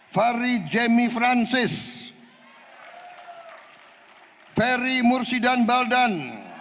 fari jemi francis ferry mursidan baldan